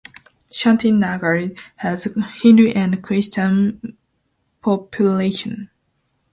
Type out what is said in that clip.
Shanti Nagar has Hindu and Christian population.